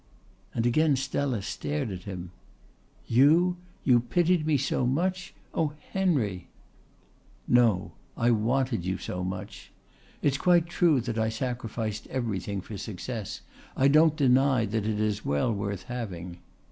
And again Stella stared at him. "You? You pitied me so much? Oh, Henry!" "No. I wanted you so much. It's quite true that I sacrificed everything for success. I don't deny that it is well worth having.